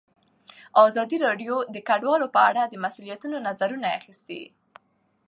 ازادي راډیو د کډوال په اړه د مسؤلینو نظرونه اخیستي.